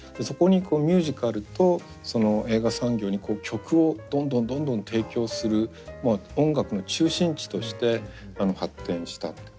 そこにミュージカルと映画産業に曲をどんどんどんどん提供する音楽の中心地として発展した。